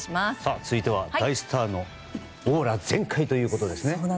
続いては大スターのオーラ全開ということですね。